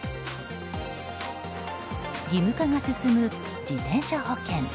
義務化が進む自転車保険。